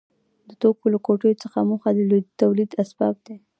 د توکو له ټولګې څخه موخه د تولید اسباب دي.